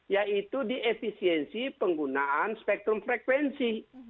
yaitu di efisiensi penggunaan spektrum frekuensi